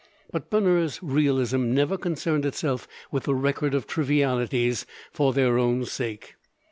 But Bunner's realism never concerned itself with the record of trivialities for their own sake.